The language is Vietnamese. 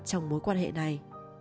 trong mối quan hệ này